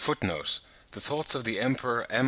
'The Thoughts of the Emperor M.